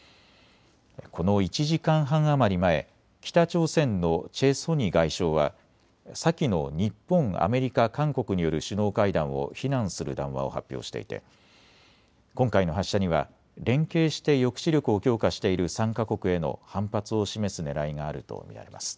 この１時間半余り前、北朝鮮のチェ・ソニ外相は先の日本、アメリカ、韓国による首脳会談を非難する談話を発表していて今回の発射には連携して抑止力を強化している３か国への反発を示すねらいがあると見られます。